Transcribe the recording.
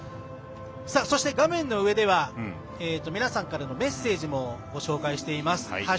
そして画面の上では皆さんからのメッセージも紹介しています。＃